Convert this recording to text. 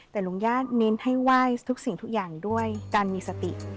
แต่ลุงญาติเน้นให้ไหว้ทุกสิ่งทุกอย่างด้วยการมีสติ